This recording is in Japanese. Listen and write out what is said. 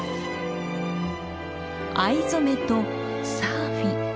藍染めとサーフィン。